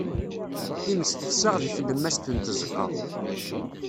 Times tessaɣ deg tlemmast n tzeqqa.